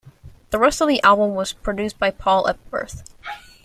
The rest of the album was produced by Paul Epworth.